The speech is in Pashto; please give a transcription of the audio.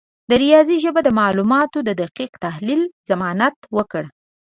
د ریاضي ژبه د معلوماتو د دقیق تحلیل ضمانت وکړه.